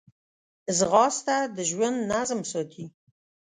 ځغاسته د ژوند نظم ساتي